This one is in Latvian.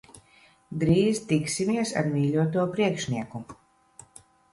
Drīz tiksimies ar mīļoto priekšnieku.